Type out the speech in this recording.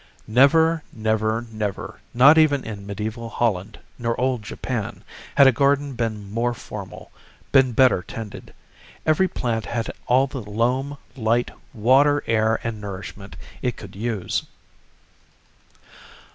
Never, never, never not even in medieval Holland nor old Japan had a garden been more formal, been better tended. Every plant had all the loam, light, water, air and nourishment it could use.